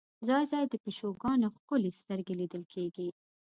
ځای ځای د پیشوګانو ښکلې سترګې لیدل کېږي.